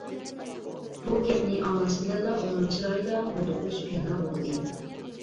بۇ گەپنى ئاڭلاش بىلەنلا ئۇنىڭ چىرايىدا ھودۇقۇش پەيدا بولدى.